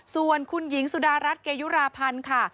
ส่วนคุณหญิงสุดารัฐเกยุราพันธ์ค่ะ